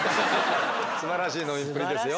すばらしい飲みっぷりですよ。